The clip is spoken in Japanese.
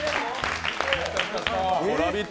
「ラヴィット！」